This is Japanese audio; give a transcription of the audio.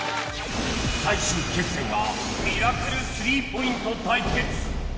最終決戦はミラクル３ポイント対決